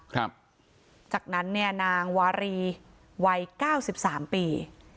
ครับจากนั้นเนี่ยนางวารีวัยเก้าสิบสามปี